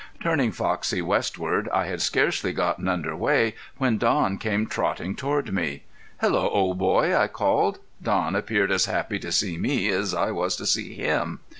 Turning Foxie westward I had scarcely gotten under way when Don came trotting toward me. "Hello, old boy!" I called. Don appeared as happy to see me as I was to see him.